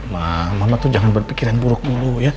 mama tuh jangan berpikiran buruk dulu ya